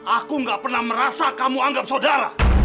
aku gak pernah merasa kamu anggap saudara